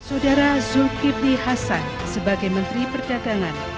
saudara zulkifli hasan sebagai menteri perdagangan